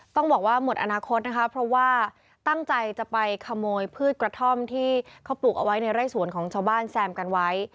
ต้องบอกว่าหมดอนาคตนะคะเพราะว่าตั้งใจจะไปขโมยพืชกระท่อมที่เขาปลูกเอาไว้ในไร่สวนของชาวบ้านแซมกันไว้